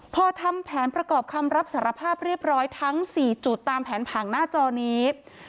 พอทำแผนประกอบคำรับสารภาพเรียบร้อยทั้ง๔จุดตามแผนผังหน้าจอนี้